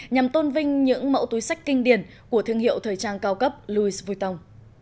nhằm tôn vinh những mẫu túi sách kinh điển của thương hiệu thời trang cao cấp louis vuitton